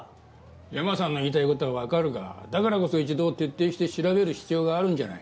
山さんの言いたい事はわかるがだからこそ一度徹底して調べる必要があるんじゃないか？